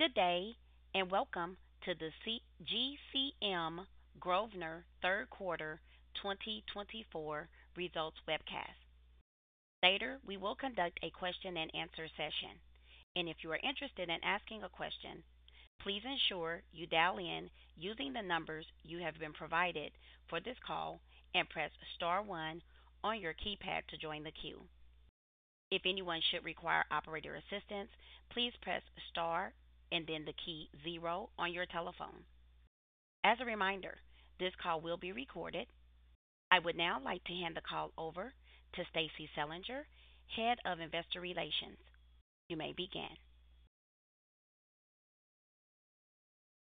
Good day, and welcome to the GCM Grosvenor third quarter 2024 results webcast. Later, we will conduct a question-and-answer session, and if you are interested in asking a question, please ensure you dial in using the numbers you have been provided for this call and press star one on your keypad to join the queue. If anyone should require operator assistance, please press star and then the key zero on your telephone. As a reminder, this call will be recorded. I would now like to hand the call over to Stacie Selinger, Head of Investor Relations. You may begin.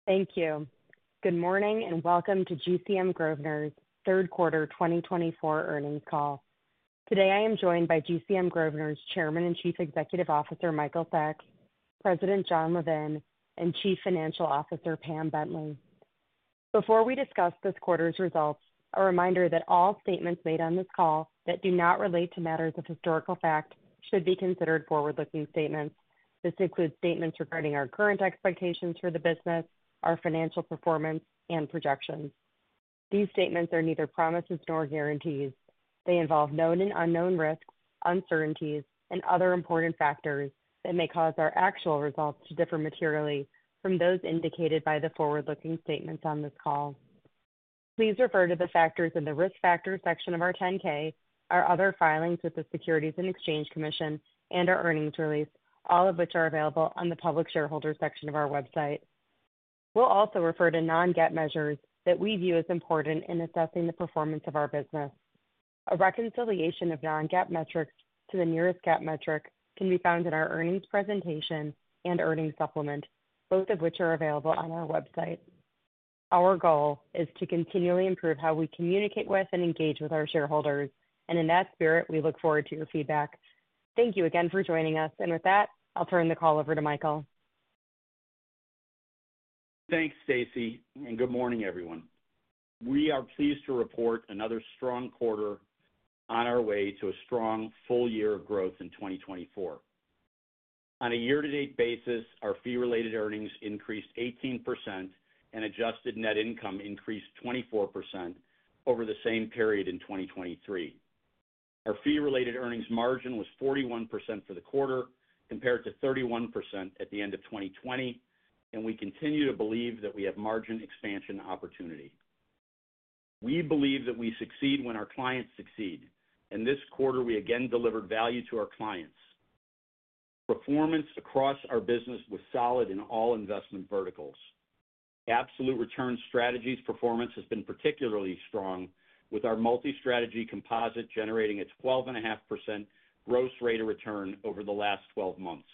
Thank you. Good morning and welcome to GCM Grosvenor's third quarter 2024 earnings call. Today, I am joined by GCM Grosvenor's Chairman and Chief Executive Officer, Michael Sacks, President Jon Levin, and Chief Financial Officer, Pam Bentley. Before we discuss this quarter's results, a reminder that all statements made on this call that do not relate to matters of historical fact should be considered forward-looking statements. This includes statements regarding our current expectations for the business, our financial performance, and projections. These statements are neither promises nor guarantees. They involve known and unknown risks, uncertainties, and other important factors that may cause our actual results to differ materially from those indicated by the forward-looking statements on this call. Please refer to the factors in the risk factors section of our 10-K, our other filings with the Securities and Exchange Commission, and our earnings release, all of which are available on the public shareholder section of our website. We'll also refer to non-GAAP measures that we view as important in assessing the performance of our business. A reconciliation of non-GAAP metrics to the nearest GAAP metric can be found in our earnings presentation and earnings supplement, both of which are available on our website. Our goal is to continually improve how we communicate with and engage with our shareholders, and in that spirit, we look forward to your feedback. Thank you again for joining us, and with that, I'll turn the call over to Michael. Thanks, Stacie, and good morning, everyone. We are pleased to report another strong quarter on our way to a strong full year of growth in 2024. On a year-to-date basis, our fee-related earnings increased 18%, and adjusted net income increased 24% over the same period in 2023. Our fee-related earnings margin was 41% for the quarter, compared to 31% at the end of 2020, and we continue to believe that we have margin expansion opportunity. We believe that we succeed when our clients succeed, and this quarter, we again delivered value to our clients. Performance across our business was solid in all investment verticals. Absolute return strategies performance has been particularly strong, with our multi-strategy composite generating a 12.5% gross rate of return over the last 12 months.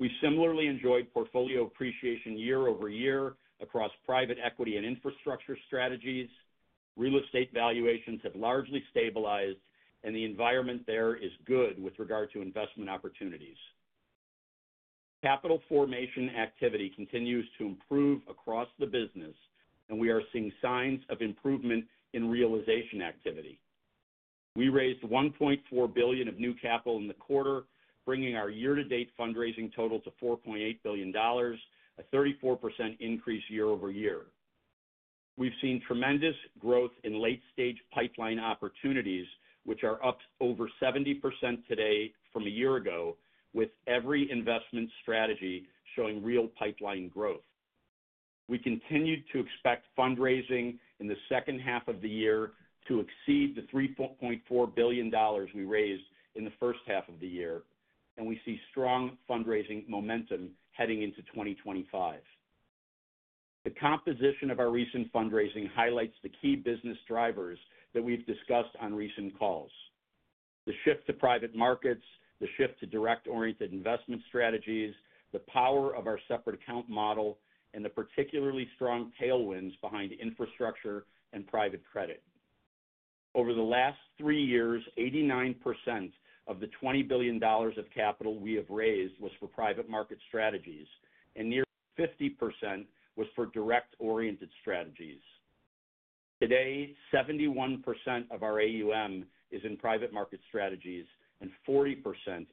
We similarly enjoyed portfolio appreciation year over year across private equity and infrastructure strategies. Real estate valuations have largely stabilized, and the environment there is good with regard to investment opportunities. Capital formation activity continues to improve across the business, and we are seeing signs of improvement in realization activity. We raised $1.4 billion of new capital in the quarter, bringing our year-to-date fundraising total to $4.8 billion, a 34% increase year over year. We've seen tremendous growth in late-stage pipeline opportunities, which are up over 70% today from a year ago, with every investment strategy showing real pipeline growth. We continued to expect fundraising in the second half of the year to exceed the $3.4 billion we raised in the first half of the year, and we see strong fundraising momentum heading into 2025. The composition of our recent fundraising highlights the key business drivers that we've discussed on recent calls: the shift to private markets, the shift to direct-oriented investment strategies, the power of our separate account model, and the particularly strong tailwinds behind infrastructure and private credit. Over the last three years, 89% of the $20 billion of capital we have raised was for private market strategies, and near 50% was for direct-oriented strategies. Today, 71% of our AUM is in private market strategies and 40%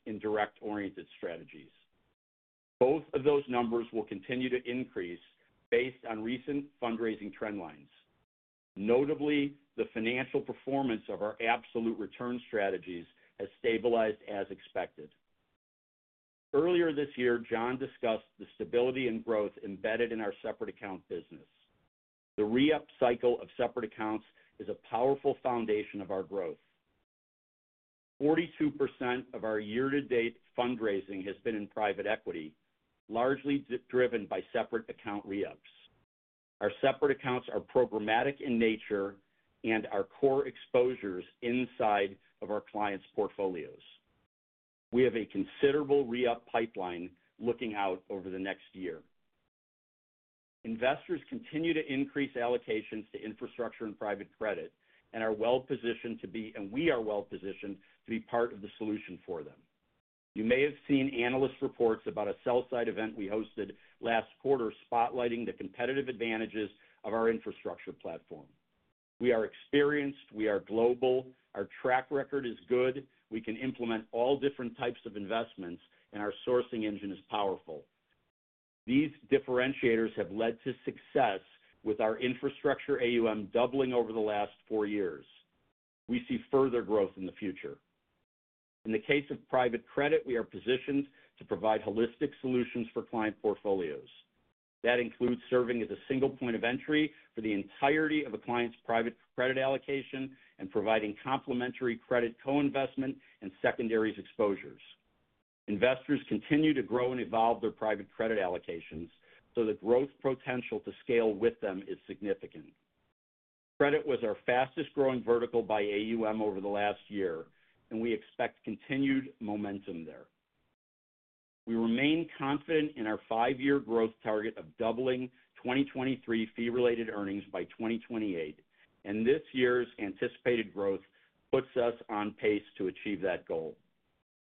in direct-oriented strategies. Both of those numbers will continue to increase based on recent fundraising trend lines. Notably, the financial performance of our absolute return strategies has stabilized as expected. Earlier this year, Jon discussed the stability and growth embedded in our separate account business. The re-up cycle of separate accounts is a powerful foundation of our growth. 42% of our year-to-date fundraising has been in private equity, largely driven by separate account re-ups. Our separate accounts are programmatic in nature and are core exposures inside of our clients' portfolios. We have a considerable re-up pipeline looking out over the next year. Investors continue to increase allocations to infrastructure and private credit, and we are well-positioned to be part of the solution for them. You may have seen analyst reports about a sell-side event we hosted last quarter spotlighting the competitive advantages of our infrastructure platform. We are experienced, we are global, our track record is good, we can implement all different types of investments, and our sourcing engine is powerful. These differentiators have led to success with our infrastructure AUM doubling over the last four years. We see further growth in the future. In the case of private credit, we are positioned to provide holistic solutions for client portfolios. That includes serving as a single point of entry for the entirety of a client's private credit allocation and providing complementary credit co-investment and secondaries exposures. Investors continue to grow and evolve their private credit allocations, so the growth potential to scale with them is significant. Credit was our fastest-growing vertical by AUM over the last year, and we expect continued momentum there. We remain confident in our five-year growth target of doubling 2023 fee-related earnings by 2028, and this year's anticipated growth puts us on pace to achieve that goal.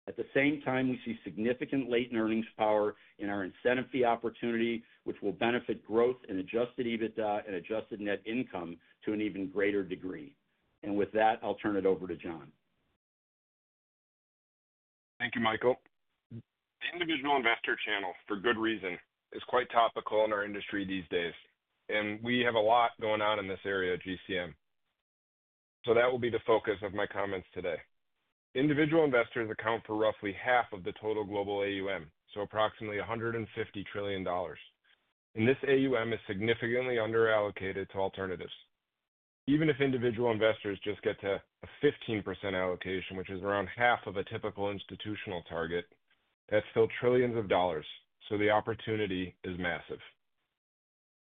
At the same time, we see significant latent earnings power in our incentive fee opportunity, which will benefit growth and adjusted EBITDA and adjusted net income to an even greater degree, and with that, I'll turn it over to Jon. Thank you, Michael. The individual investor channel, for good reason, is quite topical in our industry these days, and we have a lot going on in this area at GCM, so that will be the focus of my comments today. Individual investors account for roughly half of the total global AUM, so approximately $150 trillion, and this AUM is significantly underallocated to alternatives. Even if individual investors just get to a 15% allocation, which is around half of a typical institutional target, that's still trillions of dollars, so the opportunity is massive.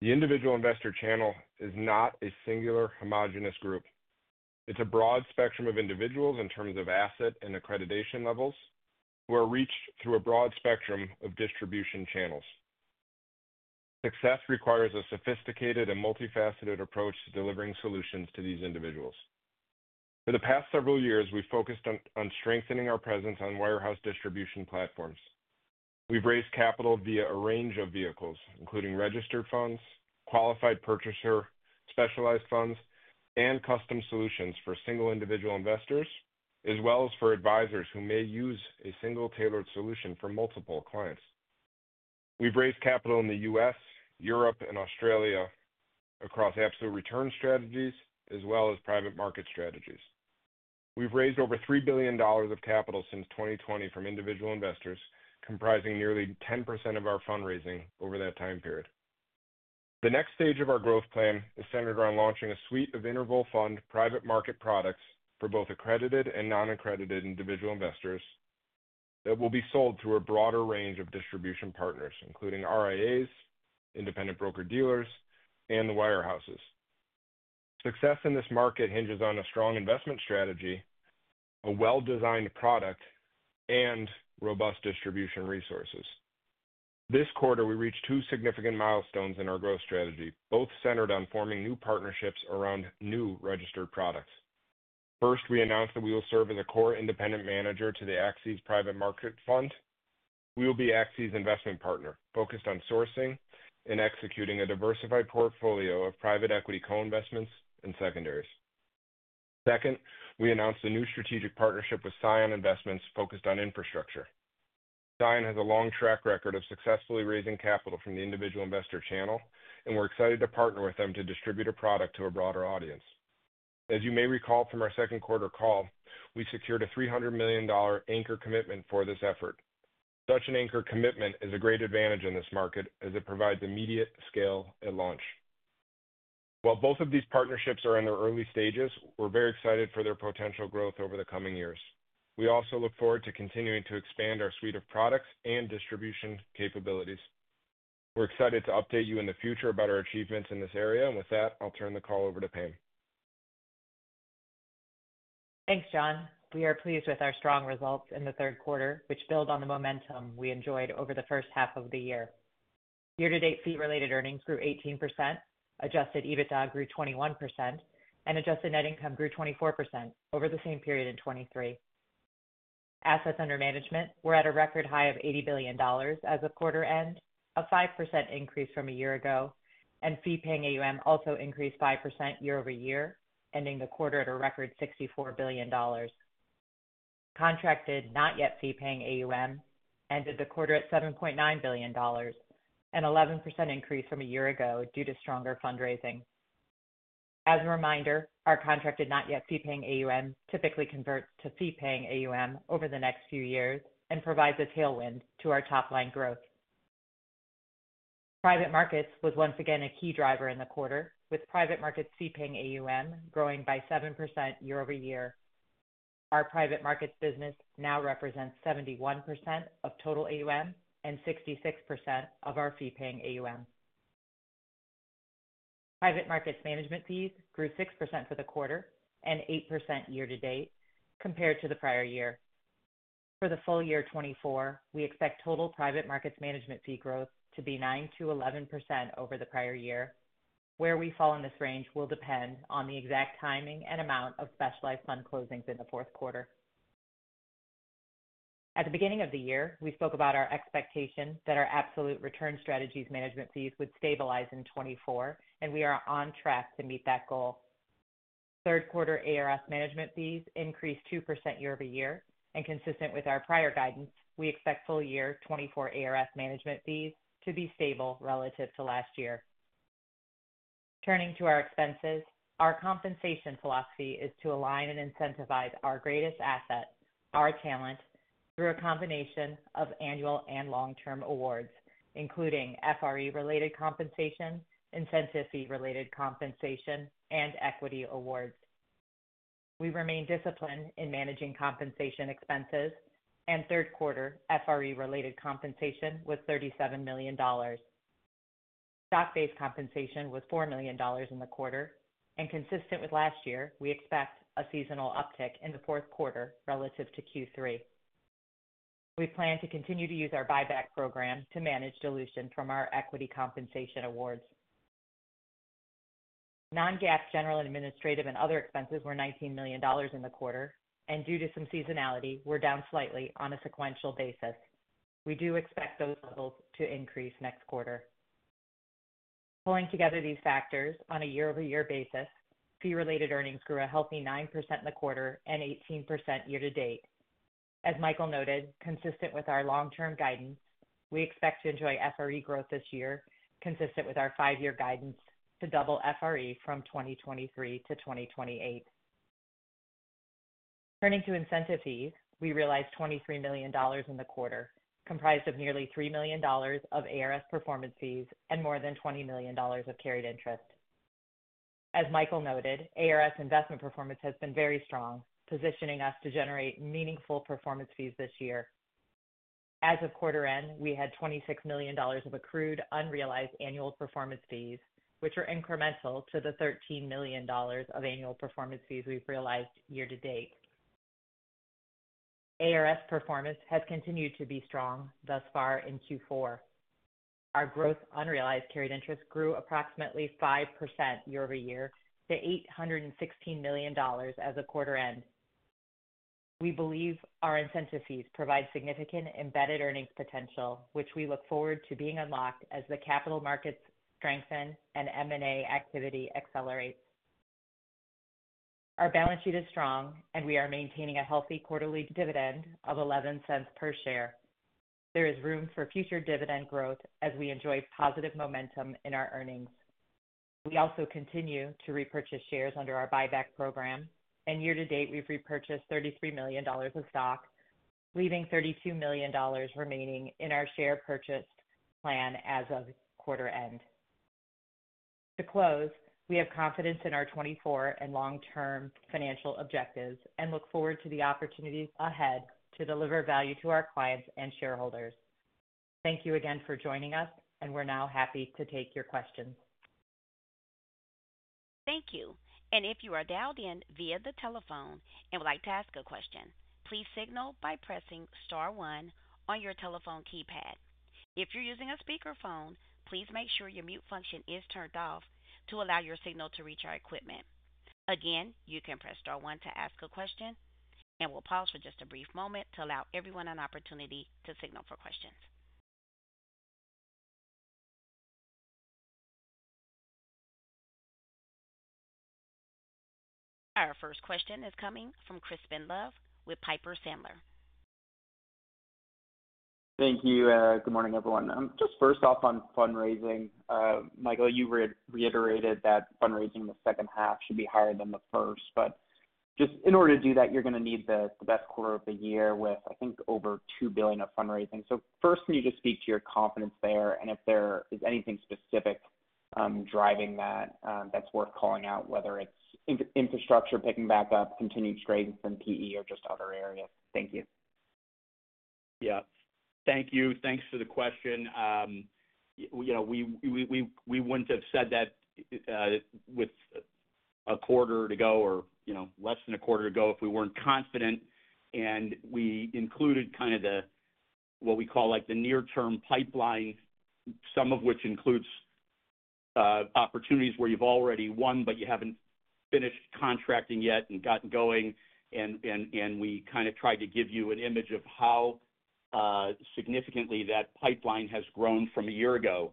The individual investor channel is not a singular homogeneous group. It's a broad spectrum of individuals in terms of asset and accreditation levels, who are reached through a broad spectrum of distribution channels. Success requires a sophisticated and multifaceted approach to delivering solutions to these individuals. For the past several years, we've focused on strengthening our presence on wirehouse distribution platforms. We've raised capital via a range of vehicles, including registered funds, qualified purchaser specialized funds, and custom solutions for single individual investors, as well as for advisors who may use a single tailored solution for multiple clients. We've raised capital in the U.S., Europe, and Australia across absolute return strategies, as well as private market strategies. We've raised over $3 billion of capital since 2020 from individual investors, comprising nearly 10% of our fundraising over that time period. The next stage of our growth plan is centered on launching a suite of interval fund private market products for both accredited and non-accredited individual investors that will be sold through a broader range of distribution partners, including RIAs, independent broker-dealers, and the wirehouses. Success in this market hinges on a strong investment strategy, a well-designed product, and robust distribution resources. This quarter, we reached two significant milestones in our growth strategy, both centered on forming new partnerships around new registered products. First, we announced that we will serve as a core independent manager to the Axxes Private Markets Fund. We will be Axxes's investment partner, focused on sourcing and executing a diversified portfolio of private equity co-investments and secondaries. Second, we announced a new strategic partnership with Cion Investments, focused on infrastructure. Cion has a long track record of successfully raising capital from the individual investor channel, and we're excited to partner with them to distribute a product to a broader audience. As you may recall from our second quarter call, we secured a $300 million anchor commitment for this effort. Such an anchor commitment is a great advantage in this market, as it provides immediate scale at launch. While both of these partnerships are in their early stages, we're very excited for their potential growth over the coming years. We also look forward to continuing to expand our suite of products and distribution capabilities. We're excited to update you in the future about our achievements in this area, and with that, I'll turn the call over to Pam. Thanks, Jon. We are pleased with our strong results in the third quarter, which build on the momentum we enjoyed over the first half of the year. Year-to-date fee-related earnings grew 18%, adjusted EBITDA grew 21%, and adjusted net income grew 24% over the same period in 2023. Assets under management were at a record high of $80 billion as the quarter ended, a 5% increase from a year ago, and fee-paying AUM also increased 5% year over year, ending the quarter at a record $64 billion. Contracted not-yet-fee-paying AUM ended the quarter at $7.9 billion, an 11% increase from a year ago due to stronger fundraising. As a reminder, our contracted not-yet-fee-paying AUM typically converts to fee-paying AUM over the next few years and provides a tailwind to our top-line growth. Private markets was once again a key driver in the quarter, with private market fee-paying AUM growing by 7% year over year. Our private markets business now represents 71% of total AUM and 66% of our fee-paying AUM. Private markets management fees grew 6% for the quarter and 8% year-to-date compared to the prior year. For the full year 2024, we expect total private markets management fee growth to be 9%-11% over the prior year. Where we fall in this range will depend on the exact timing and amount of specialized fund closings in the fourth quarter. At the beginning of the year, we spoke about our expectation that our absolute return strategies management fees would stabilize in 2024, and we are on track to meet that goal. Third quarter ARS management fees increased 2% year over year, and consistent with our prior guidance, we expect full year 2024 ARS management fees to be stable relative to last year. Turning to our expenses, our compensation philosophy is to align and incentivize our greatest assets, our talent, through a combination of annual and long-term awards, including FRE-related compensation, incentive fee-related compensation, and equity awards. We remain disciplined in managing compensation expenses, and third quarter FRE-related compensation was $37 million. Stock-based compensation was $4 million in the quarter, and consistent with last year, we expect a seasonal uptick in the fourth quarter relative to Q3. We plan to continue to use our buyback program to manage dilution from our equity compensation awards. Non-GAAP general administrative and other expenses were $19 million in the quarter, and due to some seasonality, we're down slightly on a sequential basis. We do expect those levels to increase next quarter. Pulling together these factors on a year-over-year basis, fee-related earnings grew a healthy 9% in the quarter and 18% year-to-date. As Michael noted, consistent with our long-term guidance, we expect to enjoy FRE growth this year, consistent with our five-year guidance to double FRE from 2023 to 2028. Turning to incentive fees, we realized $23 million in the quarter, comprised of nearly $3 million of ARS performance fees and more than $20 million of carried interest. As Michael noted, ARS investment performance has been very strong, positioning us to generate meaningful performance fees this year. As of quarter end, we had $26 million of accrued unrealized annual performance fees, which are incremental to the $13 million of annual performance fees we've realized year-to-date. ARS performance has continued to be strong thus far in Q4. Our gross unrealized carried interest grew approximately 5% year over year to $816 million as of quarter end. We believe our incentive fees provide significant embedded earnings potential, which we look forward to being unlocked as the capital markets strengthen and M&A activity accelerates. Our balance sheet is strong, and we are maintaining a healthy quarterly dividend of $0.11 per share. There is room for future dividend growth as we enjoy positive momentum in our earnings. We also continue to repurchase shares under our buyback program, and year-to-date, we've repurchased $33 million of stock, leaving $32 million remaining in our share purchase plan as of quarter end. To close, we have confidence in our 2024 and long-term financial objectives and look forward to the opportunities ahead to deliver value to our clients and shareholders. Thank you again for joining us, and we're now happy to take your questions. Thank you. And if you are dialed in via the telephone and would like to ask a question, please signal by pressing Star 1 on your telephone keypad. If you're using a speakerphone, please make sure your mute function is turned off to allow your signal to reach our equipment. Again, you can press Star 1 to ask a question, and we'll pause for just a brief moment to allow everyone an opportunity to signal for questions. Our first question is coming from Crispin Love with Piper Sandler. Thank you. Good morning, everyone. Just first off on fundraising, Michael, you reiterated that fundraising in the second half should be higher than the first. But just in order to do that, you're going to need the best quarter of the year with, I think, over $2 billion of fundraising. So first, can you just speak to your confidence there and if there is anything specific driving that that's worth calling out, whether it's infrastructure picking back up, continued strength in PE, or just other areas? Thank you. Yeah. Thank you. Thanks for the question. We wouldn't have said that with a quarter to go or less than a quarter to go if we weren't confident. And we included kind of what we call the near-term pipeline, some of which includes opportunities where you've already won, but you haven't finished contracting yet and gotten going. And we kind of tried to give you an image of how significantly that pipeline has grown from a year ago.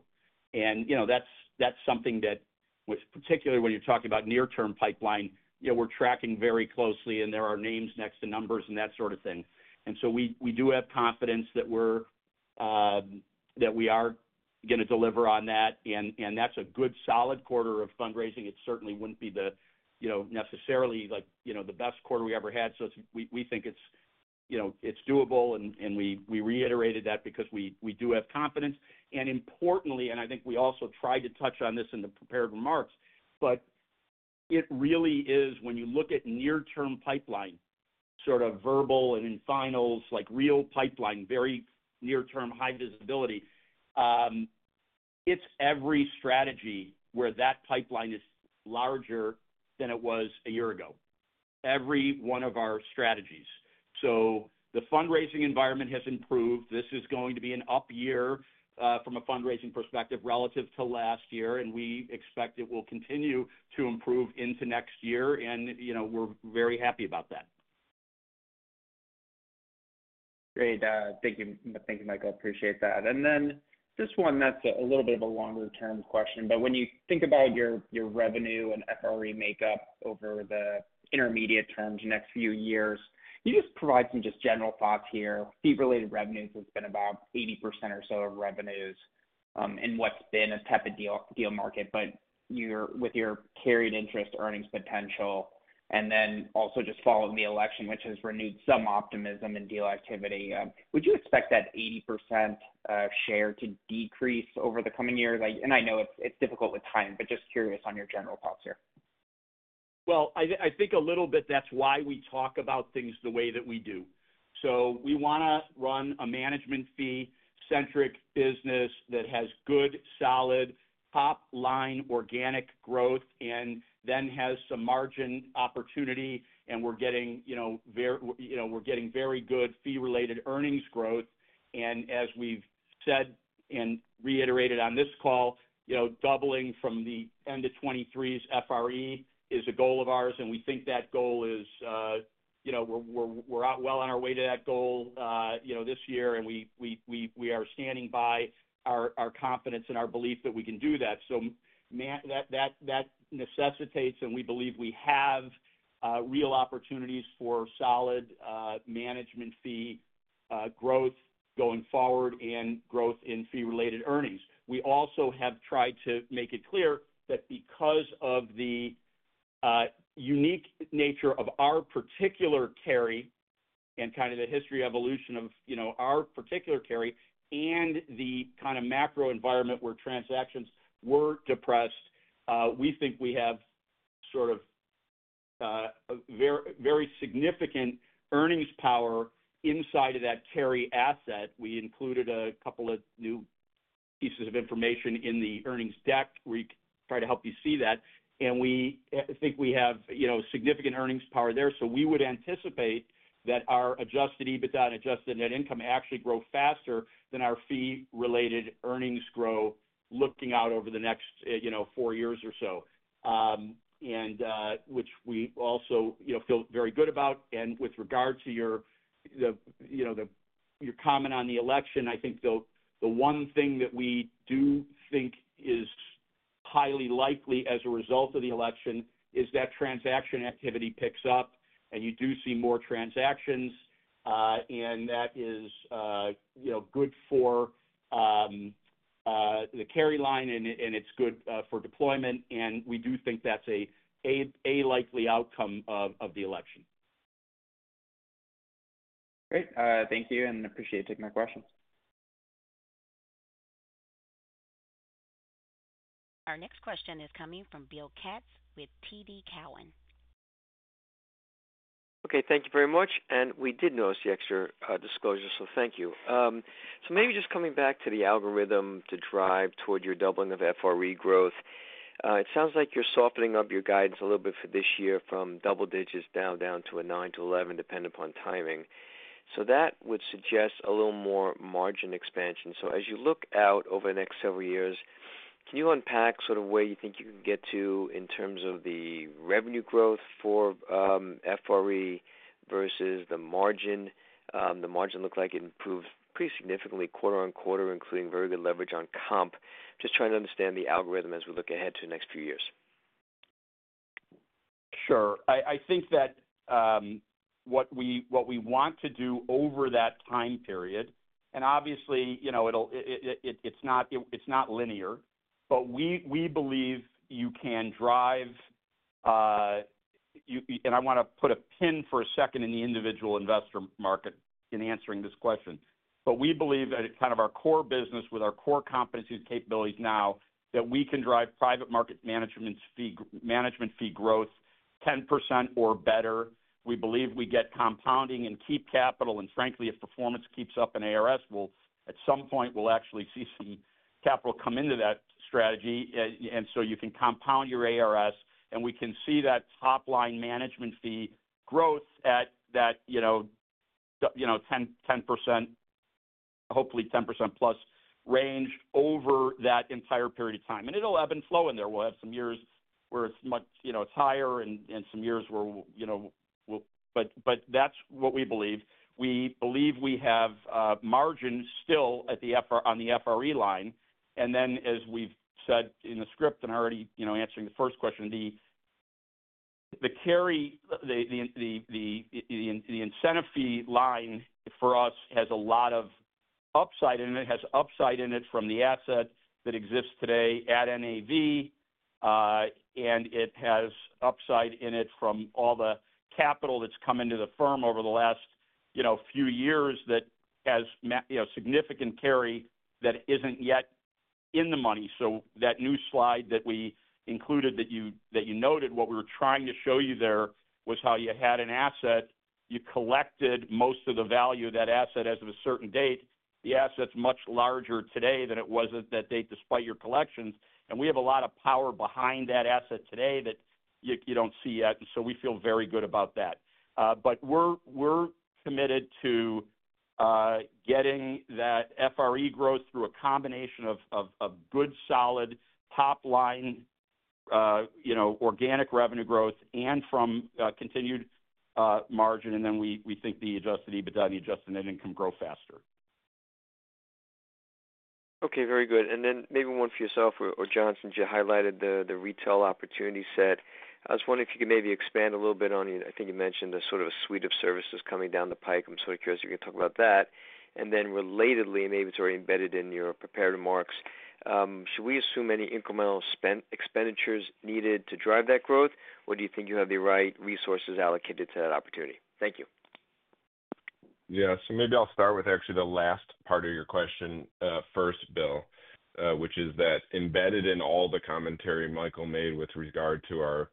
And that's something that, particularly when you're talking about near-term pipeline, we're tracking very closely, and there are names next to numbers and that sort of thing. And so we do have confidence that we are going to deliver on that. And that's a good solid quarter of fundraising. It certainly wouldn't be necessarily the best quarter we ever had. So we think it's doable, and we reiterated that because we do have confidence. And importantly, and I think we also tried to touch on this in the prepared remarks, but it really is, when you look at near-term pipeline, sort of verbal and in finals, like real pipeline, very near-term, high visibility, it's every strategy where that pipeline is larger than it was a year ago. Every one of our strategies. So the fundraising environment has improved. This is going to be an up year from a fundraising perspective relative to last year, and we expect it will continue to improve into next year, and we're very happy about that. Great. Thank you, Michael. Appreciate that. And then just one that's a little bit of a longer-term question, but when you think about your revenue and FRE makeup over the intermediate terms, next few years, you just provide some just general thoughts here. Fee-related revenues has been about 80% or so of revenues in what's been a tepid deal market, but with your carried interest earnings potential, and then also just following the election, which has renewed some optimism in deal activity, would you expect that 80% share to decrease over the coming years? And I know it's difficult with time, but just curious on your general thoughts here. I think a little bit that's why we talk about things the way that we do. So we want to run a management fee-centric business that has good, solid, top-line organic growth and then has some margin opportunity, and we're getting very good fee-related earnings growth. And as we've said and reiterated on this call, doubling from the end of 2023's FRE is a goal of ours, and we think we're well on our way to that goal this year, and we are standing by our confidence and our belief that we can do that. So that necessitates, and we believe we have real opportunities for solid management fee growth going forward and growth in fee-related earnings. We also have tried to make it clear that because of the unique nature of our particular carry and kind of the history evolution of our particular carry and the kind of macro environment where transactions were depressed, we think we have sort of very significant earnings power inside of that carry asset. We included a couple of new pieces of information in the earnings deck where we try to help you see that. And we think we have significant earnings power there. So we would anticipate that our Adjusted EBITDA and Adjusted net income actually grow faster than our Fee-related earnings grow looking out over the next four years or so, which we also feel very good about. And with regard to your comment on the election, I think the one thing that we do think is highly likely as a result of the election is that transaction activity picks up, and you do see more transactions, and that is good for the carry line, and it's good for deployment. And we do think that's a likely outcome of the election. Great. Thank you, and appreciate taking my questions. Our next question is coming from Bill Katz with TD Cowen. Okay. Thank you very much. And we did notice the extra disclosure, so thank you. So maybe just coming back to the algorithm to drive toward your doubling of FRE growth, it sounds like you're softening up your guidance a little bit for this year from double digits down to a 9%-11% depending upon timing. So that would suggest a little more margin expansion. So as you look out over the next several years, can you unpack sort of where you think you can get to in terms of the revenue growth for FRE versus the margin? The margin looks like it improved pretty significantly quarter on quarter, including very good leverage on comp. Just trying to understand the algorithm as we look ahead to the next few years. Sure. I think that what we want to do over that time period, and obviously, it's not linear, but we believe you can drive, and I want to put a pin for a second in the individual investor market in answering this question, but we believe that kind of our core business with our core competencies and capabilities now, that we can drive private market management fee growth 10% or better. We believe we get compounding and keep capital, and frankly, if performance keeps up in ARS, at some point, we'll actually see some capital come into that strategy. And so you can compound your ARS, and we can see that top-line management fee growth at that 10%, hopefully 10% plus range over that entire period of time. And it'll ebb and flow in there. We'll have some years where it's higher and some years where we'll, but that's what we believe. We believe we have margin still on the FRE line. And then, as we've said in the script and already answering the first question, the incentive fee line for us has a lot of upside in it. It has upside in it from the asset that exists today at NAV, and it has upside in it from all the capital that's come into the firm over the last few years that has significant carry that isn't yet in the money. So that new slide that we included that you noted, what we were trying to show you there was how you had an asset, you collected most of the value of that asset as of a certain date. The asset's much larger today than it was at that date despite your collections. And we have a lot of power behind that asset today that you don't see yet. And so we feel very good about that. But we're committed to getting that FRE growth through a combination of good, solid, top-line organic revenue growth and from continued margin. And then we think the adjusted EBITDA and the adjusted net income grow faster. Okay. Very good. And then maybe one for yourself, or Jonathan, you highlighted the retail opportunity set. I was wondering if you could maybe expand a little bit on your—I think you mentioned a sort of a suite of services coming down the pike. I'm sort of curious if you can talk about that. And then relatedly, maybe it's already embedded in your prepared remarks, should we assume any incremental expenditures needed to drive that growth, or do you think you have the right resources allocated to that opportunity? Thank you. Yeah. So maybe I'll start with actually the last part of your question first, Bill, which is that embedded in all the commentary Michael made with regard to our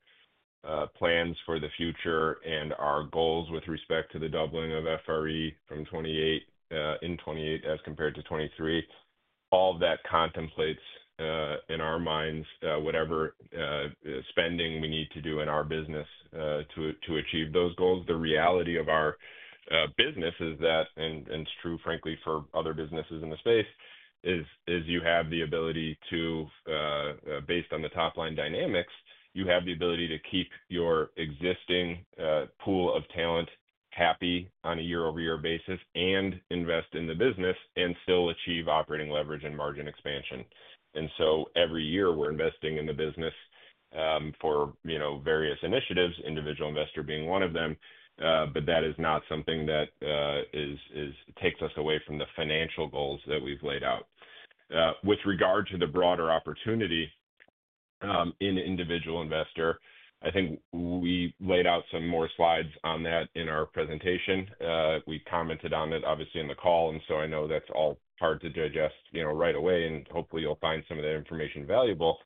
plans for the future and our goals with respect to the doubling of FRE in 2028 as compared to 2023, all of that contemplates in our minds whatever spending we need to do in our business to achieve those goals. The reality of our business is that, and it's true, frankly, for other businesses in the space, is you have the ability to, based on the top-line dynamics, you have the ability to keep your existing pool of talent happy on a year-over-year basis and invest in the business and still achieve operating leverage and margin expansion. And so every year, we're investing in the business for various initiatives, individual investor being one of them, but that is not something that takes us away from the financial goals that we've laid out. With regard to the broader opportunity in individual investor, I think we laid out some more slides on that in our presentation. We commented on it, obviously, in the call. And so I know that's all hard to digest right away, and hopefully, you'll find some of that information valuable.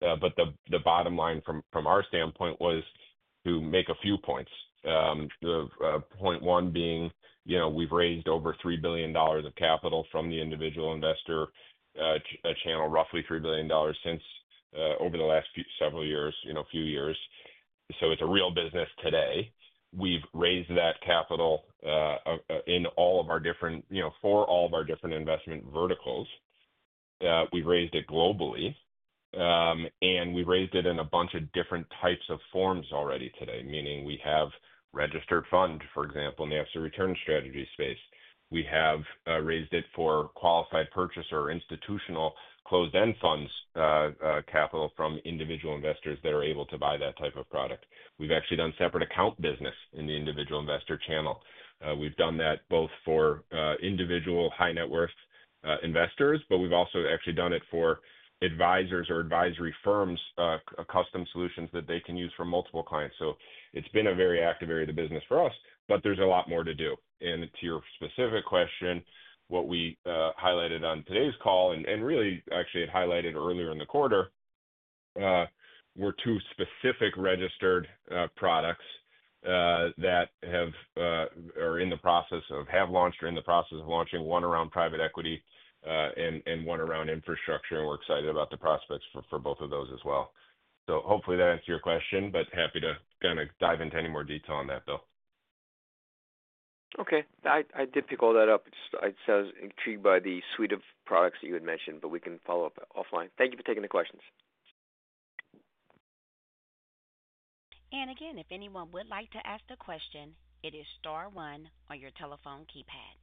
But the bottom line from our standpoint was to make a few points. Point one being, we've raised over $3 billion of capital from the individual investor channel, roughly $3 billion over the last several years, a few years. So it's a real business today. We've raised that capital in all of our different investment verticals. We've raised it globally, and we've raised it in a bunch of different types of forms already today, meaning we have registered fund, for example, in the absolute return strategy space. We have raised it for qualified purchaser or institutional closed-end funds capital from individual investors that are able to buy that type of product. We've actually done separate account business in the individual investor channel. We've done that both for individual high-net-worth investors, but we've also actually done it for advisors or advisory firms, custom solutions that they can use for multiple clients. So it's been a very active area of the business for us, but there's a lot more to do To your specific question, what we highlighted on today's call, and really, actually, it highlighted earlier in the quarter, were two specific registered products that are in the process of, have launched or in the process of launching one around private equity and one around infrastructure. We're excited about the prospects for both of those as well. Hopefully, that answered your question, but happy to kind of dive into any more detail on that, Bill. Okay. I did pick all that up. I'd say I was intrigued by the suite of products that you had mentioned, but we can follow up offline. Thank you for taking the questions. Again, if anyone would like to ask a question, it is star one on your telephone keypad.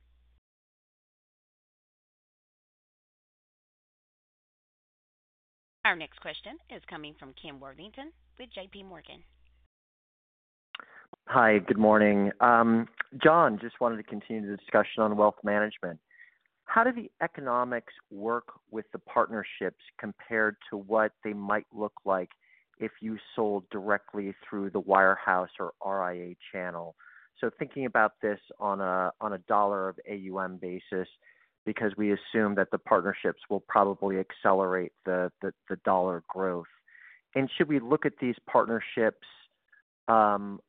Our next question is coming from Ken Worthington with J.P. Morgan. Hi. Good morning. Jon, just wanted to continue the discussion on wealth management. How do the economics work with the partnerships compared to what they might look like if you sold directly through the wirehouse or RIA channel? So thinking about this on a dollar of AUM basis, because we assume that the partnerships will probably accelerate the dollar growth. And should we look at these partnerships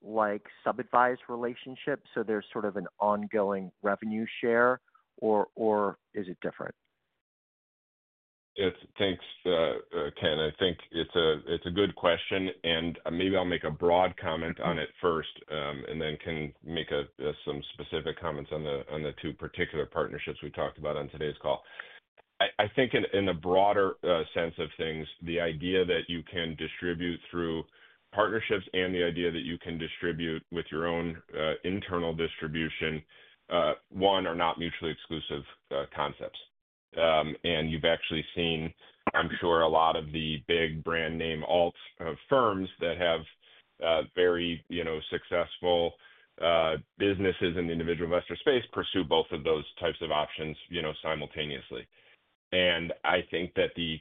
like sub-advised relationships? So there's sort of an ongoing revenue share, or is it different? Thanks, Ken. I think it's a good question, and maybe I'll make a broad comment on it first, and then can make some specific comments on the two particular partnerships we talked about on today's call. I think in a broader sense of things, the idea that you can distribute through partnerships and the idea that you can distribute with your own internal distribution, one are not mutually exclusive concepts. And you've actually seen, I'm sure, a lot of the big brand name firms that have very successful businesses in the individual investor space pursue both of those types of options simultaneously. And I think that the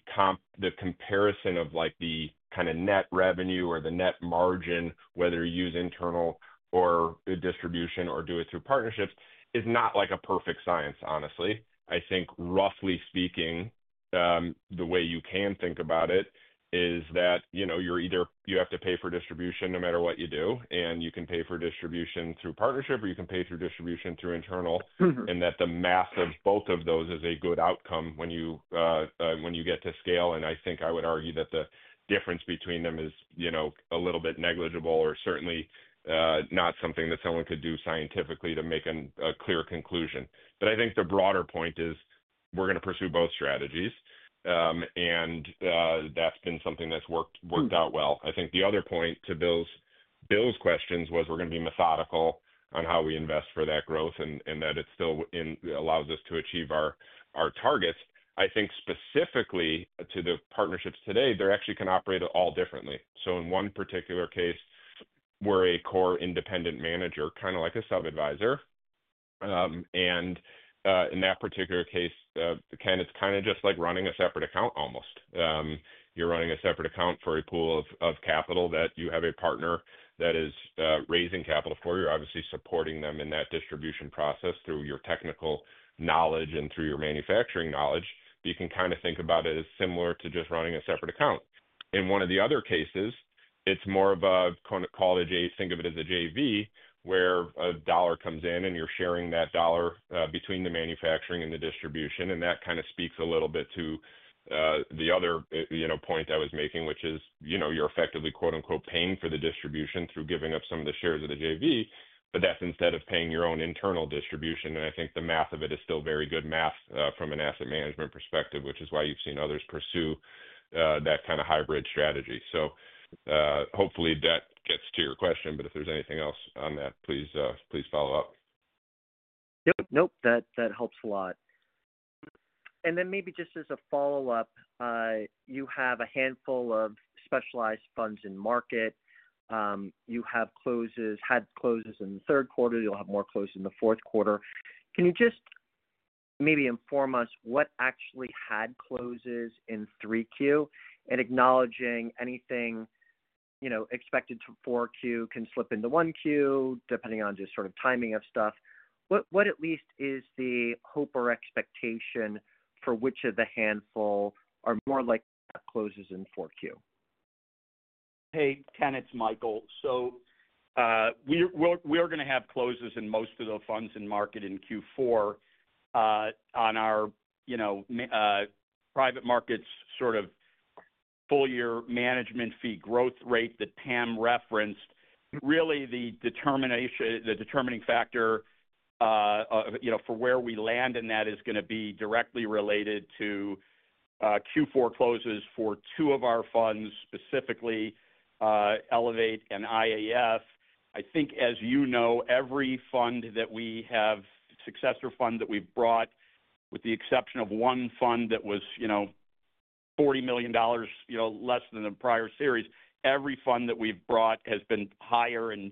comparison of the kind of net revenue or the net margin, whether you use internal or distribution or do it through partnerships, is not like a perfect science, honestly. I think, roughly speaking, the way you can think about it is that you have to pay for distribution no matter what you do, and you can pay for distribution through partnership, or you can pay through distribution through internal, and that the mass of both of those is a good outcome when you get to scale. And I think I would argue that the difference between them is a little bit negligible or certainly not something that someone could do scientifically to make a clear conclusion. But I think the broader point is we're going to pursue both strategies, and that's been something that's worked out well. I think the other point to Bill's questions was we're going to be methodical on how we invest for that growth and that it still allows us to achieve our targets. I think specifically to the partnerships today, they actually can operate all differently. So in one particular case, we're a core independent manager, kind of like a sub-advisor, and in that particular case, Ken, it's kind of just like running a separate account almost. You're running a separate account for a pool of capital that you have a partner that is raising capital for you, obviously supporting them in that distribution process through your technical knowledge and through your manufacturing knowledge. You can kind of think about it as similar to just running a separate account. In one of the other cases, it's more of a, call it a JV, think of it as a JV, where a dollar comes in and you're sharing that dollar between the manufacturing and the distribution. That kind of speaks a little bit to the other point I was making, which is you're effectively "paying for the distribution" through giving up some of the shares of the JV, but that's instead of paying your own internal distribution. I think the math of it is still very good math from an asset management perspective, which is why you've seen others pursue that kind of hybrid strategy. Hopefully, that gets to your question, but if there's anything else on that, please follow up. Yep. Nope. That helps a lot. And then maybe just as a follow-up, you have a handful of specialized funds in market. You have had closes in the third quarter. You'll have more closes in the fourth quarter. Can you just maybe inform us what actually had closes in 3Q and acknowledging anything expected to 4Q can slip into 1Q depending on just sort of timing of stuff? What at least is the hope or expectation for which of the handful are more likely to have closes in 4Q? Hey, Ken, it's Michael. So we are going to have closes in most of the funds in market in Q4 on our private markets sort of full-year management fee growth rate that Pam referenced. Really, the determining factor for where we land in that is going to be directly related to Q4 closes for two of our funds, specifically Elevate and IAF. I think, as you know, every fund that we have, successor fund that we've brought, with the exception of one fund that was $40 million less than the prior series, every fund that we've brought has been higher and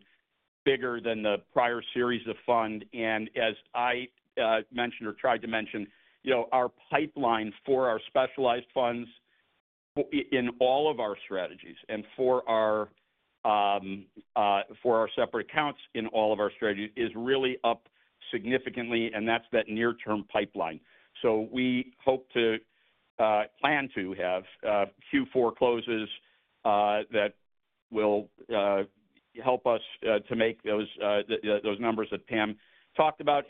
bigger than the prior series of funds. And as I mentioned or tried to mention, our pipeline for our specialized funds in all of our strategies and for our separate accounts in all of our strategies is really up significantly, and that's that near-term pipeline. We hope to plan to have Q4 closes that will help us to make those numbers that Pam talked about.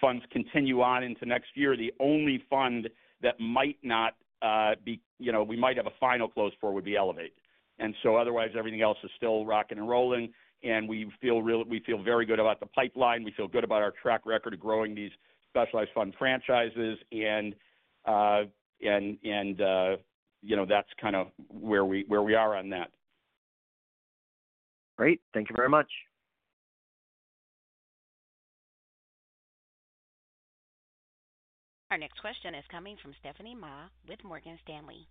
Funds continue on into next year. The only fund that might not be we might have a final close for would be Elevate. Otherwise, everything else is still rocking and rolling, and we feel very good about the pipeline. We feel good about our track record of growing these specialized fund franchises, and that's kind of where we are on that. Great. Thank you very much. Our next question is coming from Stephanie Ma with Morgan Stanley.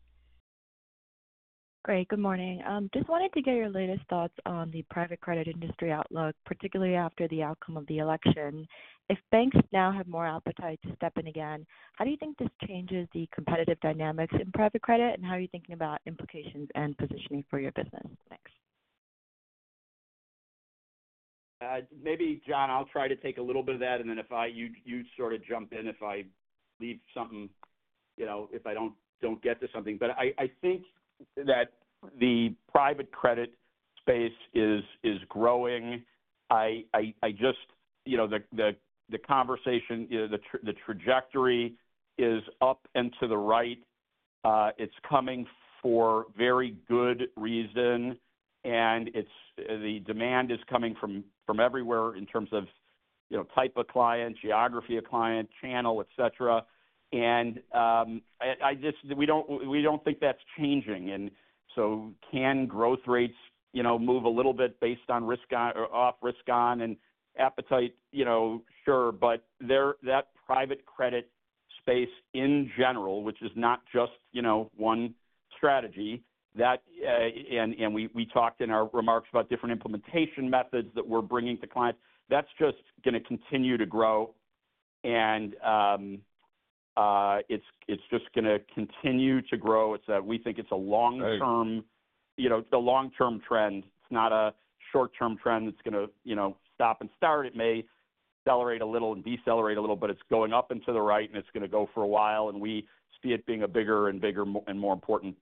Great. Good morning. Just wanted to get your latest thoughts on the private credit industry outlook, particularly after the outcome of the election. If banks now have more appetite to step in again, how do you think this changes the competitive dynamics in private credit, and how are you thinking about implications and positioning for your business next? Maybe, Jon, I'll try to take a little bit of that, and then if you sort of jump in if I leave something, if I don't get to something, but I think that the private credit space is growing. I see the conversation, the trajectory is up and to the right. It's coming for very good reason, and the demand is coming from everywhere in terms of type of client, geography of client, channel, etc., and we don't think that's changing, and so can growth rates move a little bit based on risk on or off-risk on and appetite? Sure, but that private credit space in general, which is not just one strategy, and we talked in our remarks about different implementation methods that we're bringing to clients, that's just going to continue to grow, and it's just going to continue to grow. We think it's a long-term trend. It's not a short-term trend that's going to stop and start. It may accelerate a little and decelerate a little, but it's going up and to the right, and it's going to go for a while, and we see it being a bigger and bigger and more important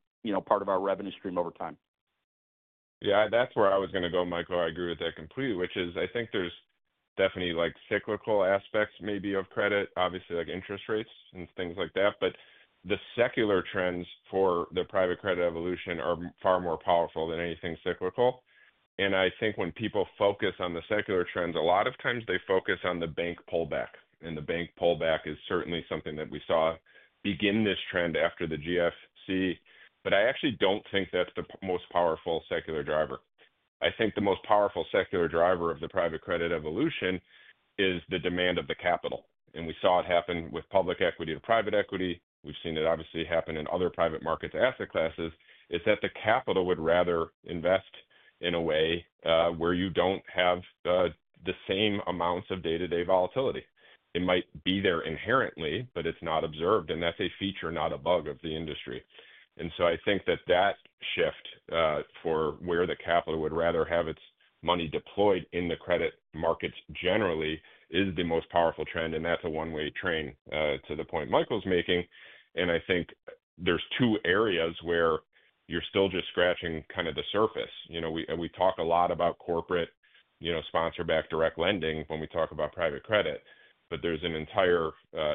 part of our revenue stream over time. Yeah. That's where I was going to go, Michael. I agree with that completely, which is I think there's definitely cyclical aspects maybe of credit, obviously like interest rates and things like that. But the secular trends for the private credit evolution are far more powerful than anything cyclical. And I think when people focus on the secular trends, a lot of times they focus on the bank pullback. And the bank pullback is certainly something that we saw begin this trend after the GFC. But I actually don't think that's the most powerful secular driver. I think the most powerful secular driver of the private credit evolution is the demand of the capital. And we saw it happen with public equity to private equity. We've seen it obviously happen in other private markets asset classes. It's that the capital would rather invest in a way where you don't have the same amounts of day-to-day volatility. It might be there inherently, but it's not observed, and that's a feature, not a bug of the industry. And so I think that that shift for where the capital would rather have its money deployed in the credit markets generally is the most powerful trend, and that's a one-way train to the point Michael's making. And I think there's two areas where you're still just scratching kind of the surface. We talk a lot about corporate sponsor-backed direct lending when we talk about private credit, but there's an entire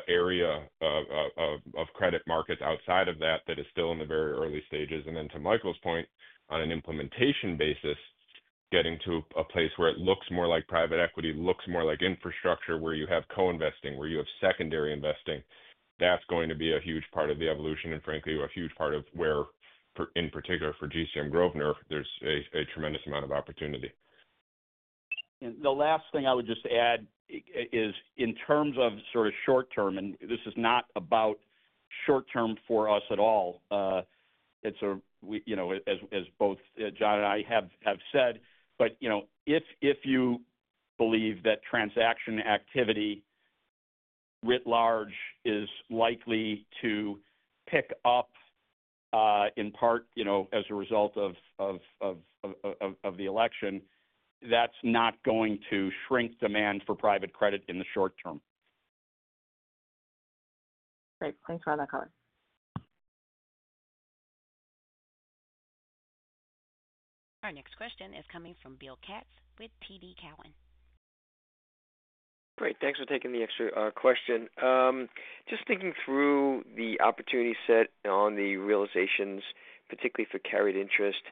area of credit markets outside of that that is still in the very early stages. And then to Michael's point, on an implementation basis, getting to a place where it looks more like private equity, looks more like infrastructure where you have co-investing, where you have secondary investing, that's going to be a huge part of the evolution and, frankly, a huge part of where in particular for GCM Grosvenor, there's a tremendous amount of opportunity. And the last thing I would just add is in terms of sort of short-term, and this is not about short-term for us at all. It's a, as both Jon and I have said, but if you believe that transaction activity writ large is likely to pick up in part as a result of the election, that's not going to shrink demand for private credit in the short term. Great. Thanks for having that comment. Our next question is coming from Bill Katz with TD Cowen. Great. Thanks for taking the extra question. Just thinking through the opportunity set on the realizations, particularly for carried interest,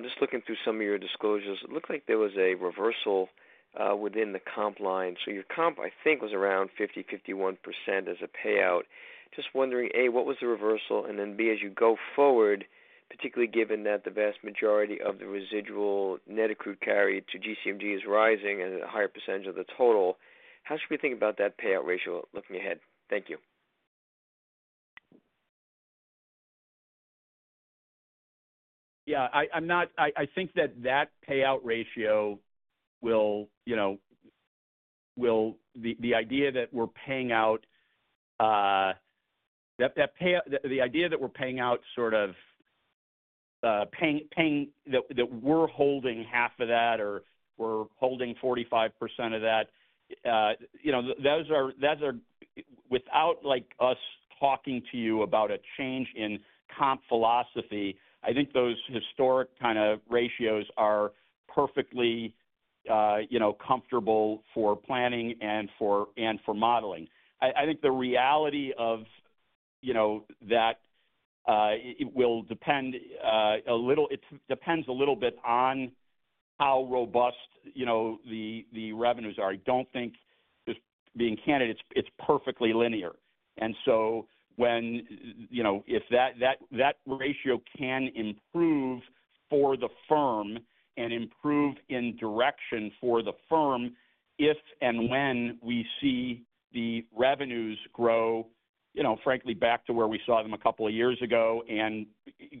just looking through some of your disclosures, it looked like there was a reversal within the comp line. So your comp, I think, was around 50-51% as a payout. Just wondering, A, what was the reversal? And then B, as you go forward, particularly given that the vast majority of the residual net accrued carry to GCMG is rising at a higher percentage of the total, how should we think about that payout ratio looking ahead? Thank you. Yeah. I think that payout ratio gives the idea that we're paying out, that we're holding half of that or we're holding 45% of that. Those are without us talking to you about a change in comp philosophy. I think those historic kind of ratios are perfectly comfortable for planning and for modeling. I think the reality of that will depend a little bit on how robust the revenues are. I don't think, just being candid, it's perfectly linear, and so if that ratio can improve for the firm and improve in direction for the firm if and when we see the revenues grow, frankly, back to where we saw them a couple of years ago and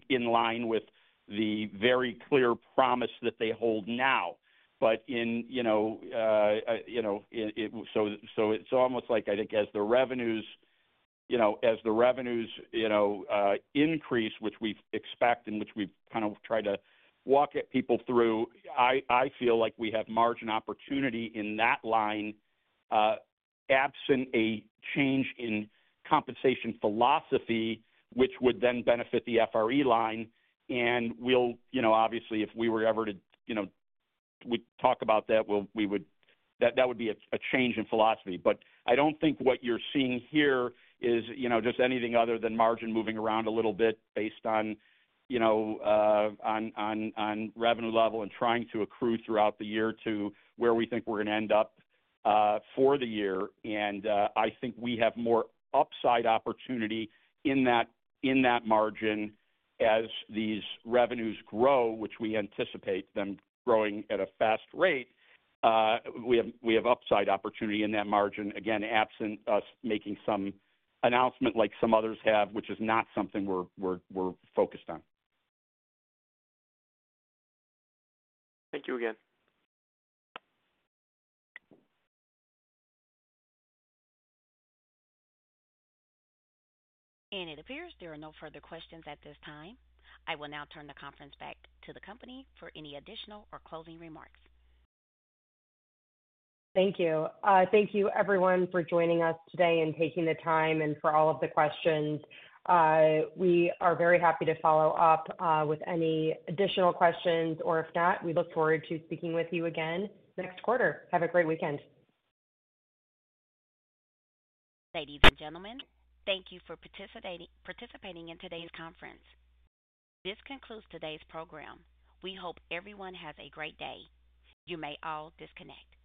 in line with the very clear promise that they hold now. But in so it's almost like I think as the revenues increase, which we expect and which we've kind of tried to walk people through, I feel like we have margin opportunity in that line absent a change in compensation philosophy, which would then benefit the FRE line. And obviously, if we were ever to talk about that, that would be a change in philosophy. But I don't think what you're seeing here is just anything other than margin moving around a little bit based on revenue level and trying to accrue throughout the year to where we think we're going to end up for the year. And I think we have more upside opportunity in that margin as these revenues grow, which we anticipate them growing at a fast rate. We have upside opportunity in that margin, again, absent us making some announcement like some others have, which is not something we're focused on. Thank you again. It appears there are no further questions at this time. I will now turn the conference back to the company for any additional or closing remarks. Thank you. Thank you, everyone, for joining us today and taking the time and for all of the questions. We are very happy to follow up with any additional questions, or if not, we look forward to speaking with you again next quarter. Have a great weekend. Ladies and gentlemen, thank you for participating in today's conference. This concludes today's program. We hope everyone has a great day. You may all disconnect.